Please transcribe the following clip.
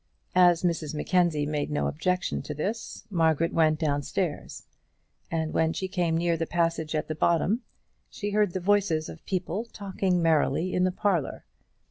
As Mrs Mackenzie made no objection to this, Margaret went downstairs, and when she came near the passage at the bottom, she heard the voices of people talking merrily in the parlour.